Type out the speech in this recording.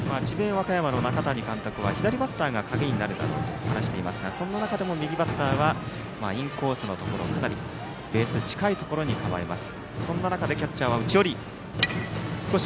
和歌山の中谷監督は左バッターが鍵になるだろうと話していますがそんな中でも、右バッターはインコースの、かなりベース近いところに構えます。